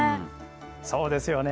そうですよね。